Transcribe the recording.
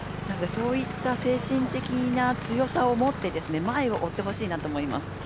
なのでそういった精神的な強さを持って前を追ってほしいなと思います。